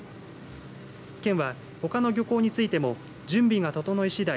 県は、ほかの漁港についても準備が整い